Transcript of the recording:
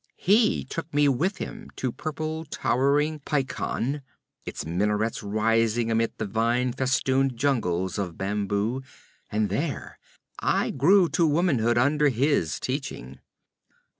He took me with him to purple towering Paikang, its minarets rising amid the vine festooned jungles of bamboo, and there I grew to womanhood under his teaching.